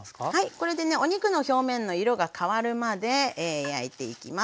これでねお肉の表面の色が変わるまで焼いていきます。